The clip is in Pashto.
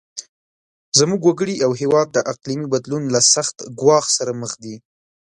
زموږ وګړي او هیواد د اقلیمي بدلون له سخت ګواښ سره مخ دي.